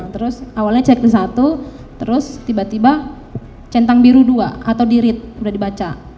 terus awalnya checklist satu terus tiba tiba centang biru dua atau di read udah dibaca